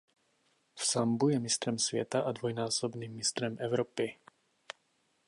V sambu je mistrem světa a dvojnásobným mistrem Evropy.